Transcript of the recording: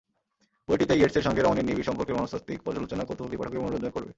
বইটিতে ইয়েটসের সঙ্গে রমণীর নিবিড় সম্পর্কের মনস্তাত্ত্বিক পর্যালোচনা কৌতূহলী পাঠকের মনোরঞ্জন করবে।